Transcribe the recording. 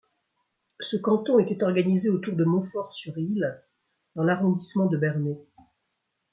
Ce canton était organisé autour de Montfort-sur-Risle dans l'arrondissement de Bernay.